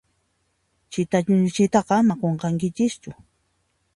Chita ñuñuchiytaqa ama qunqankichischu.